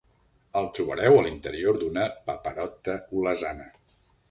El trobareu a l'interior d'una paparota olesana.